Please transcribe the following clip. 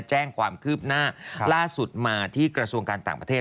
แจ้งความคืบหน้าล่าสุดมาที่กระทรวงการต่างประเทศ